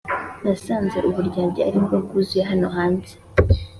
nasanze uburyarya aribwo bwuzuye hano hanze